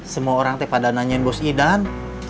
semua orang teh pada nanyain lusidan